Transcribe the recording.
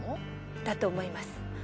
だと思います。